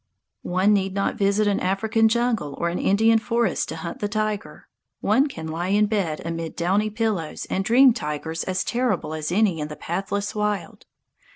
One need not visit an African jungle or an Indian forest to hunt the tiger. One can lie in bed amid downy pillows and dream tigers as terrible as any in the pathless wild.